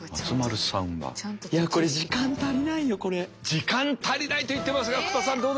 時間足りないと言ってますが福田さんどうですか？